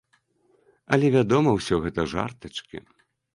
Але вядома, усё гэта жартачкі.